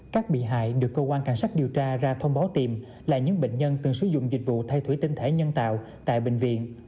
các bị hại được cơ quan cảnh sát điều tra ra thông báo tìm là những bệnh nhân từng sử dụng dịch vụ thay thủy tinh thể nhân tạo tại bệnh viện